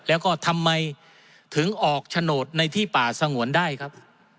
แล้วก็ทำไมถึงออกโฉนดในที่ป่าสงวนได้ครับ